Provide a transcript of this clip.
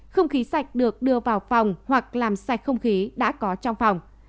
không khí sạch được đưa vào phòng hoặc làm sạch không khí đã có trong phòng